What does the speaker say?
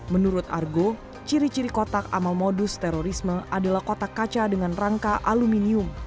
menurut argo ciri ciri kotak amal modus terorisme adalah kotak kaca dengan rangka aluminium